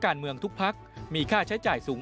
การที่จะทำกิจกรรมต่างนั้นจะหาเงินมาจากที่ไหนได้บ้าง